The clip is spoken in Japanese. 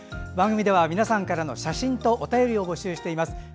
番組では、皆さんからの写真とお便りを募集しています。